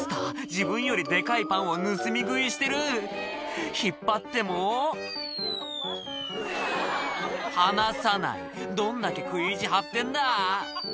自分よりデカいパンを盗み食いしてる引っ張っても離さないどんだけ食い意地張ってんだ